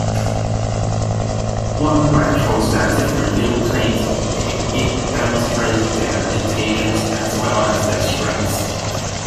One retrospective review claimed it demonstrated their limitations as well as their strengths.